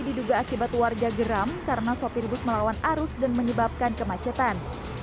diduga akibat warga geram karena sopir bus melawan arus dan menyebabkan kemacetan